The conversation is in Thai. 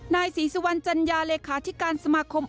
นายศรีสุวรรณจัญญาเลขาธิการสมาคม